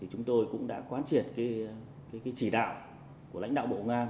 chúng tôi cũng đã quán triệt chỉ đạo của lãnh đạo bộ nga